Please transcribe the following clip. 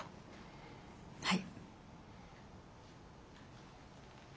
はい。